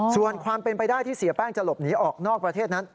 ส่วนความเป็นไปได้ที่เสียแป้งจะหลบหนีออกนอกประเทศนั้น